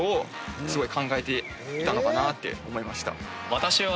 私は。